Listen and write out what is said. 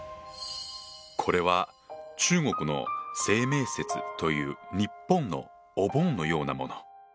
これは中国の清明節という日本のお盆のようなもの。